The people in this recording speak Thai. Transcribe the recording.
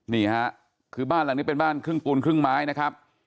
นี่ฮะคือบ้านหลังนี้เป็นบ้านครึ่งปูนครึ่งไม้นะครับ